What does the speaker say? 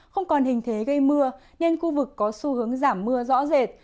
không còn hình thế gây mưa nên khu vực có xu hướng giảm mưa rõ rệt